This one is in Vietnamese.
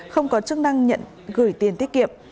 không có chức năng nhận gửi tiền tiết kiệm